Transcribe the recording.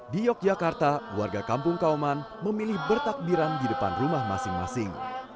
di yogyakarta warga kampung kauman memilih bertakbiran di depan rumah masing masing